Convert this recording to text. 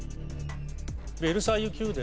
ベルサイユ宮殿。